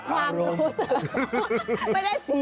ความรู้สึก